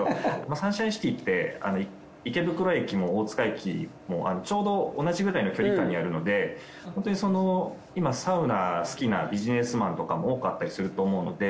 サンシャインシティって池袋駅も大塚駅もちょうど同じくらいの距離感にあるのでホントに今サウナ好きなビジネスマンとかも多かったりすると思うので。